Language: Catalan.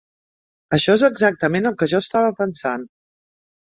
Això és exactament el que jo estava pensant.